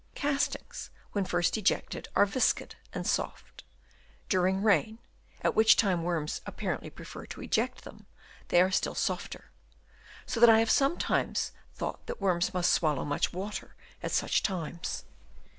Castings when first ejected are viscid and soft ; during rain, at which time worms apparently prefer to eject them, they are still softer ; so that I have sometimes thought that worms must swallow much water at such times.